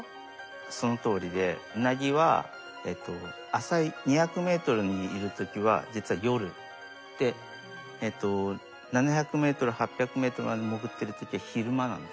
そのとおりでウナギは浅い２００ｍにいる時は実は夜で７００ｍ８００ｍまで潜ってる時は昼間なんです。